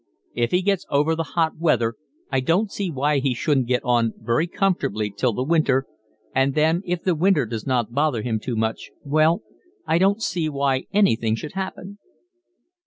If he gets over the hot weather I don't see why he shouldn't get on very comfortably till the winter, and then if the winter does not bother him too much, well, I don't see why anything should happen."